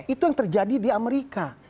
itu yang terjadi di amerika